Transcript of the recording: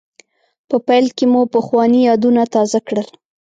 په پیل کې مو پخواني یادونه تازه کړل.